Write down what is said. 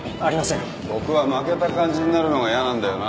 僕は負けた感じになるのがやなんだよな。